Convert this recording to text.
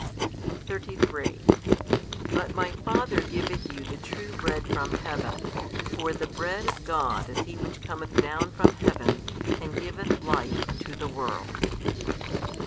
33 but My Father giveth you the True Bread from heaven: for the Bread of God is He which cometh down from heaven and giveth life unto the world.